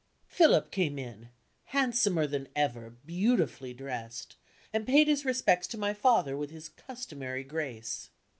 Philip came in handsomer than ever, beautifully dressed and paid his respects to my father with his customary grace.